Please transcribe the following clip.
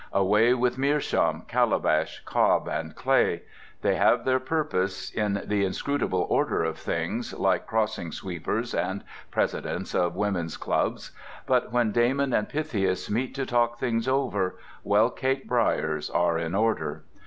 Away with meerschaum, calabash, cob, and clay: they have their purpose in the inscrutable order of things, like crossing sweepers and presidents of women's clubs; but when Damon and Pythias meet to talk things over, well caked briars are in order.